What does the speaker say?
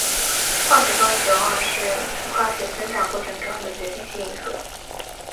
化学动力学往往是化工生产过程中的决定性因素。